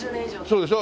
そうでしょ？